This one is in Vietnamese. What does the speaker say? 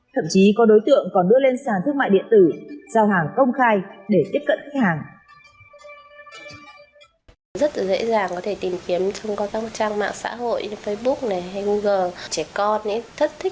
thậm chí có đối tượng còn đưa lên sàn thương mại điện thoại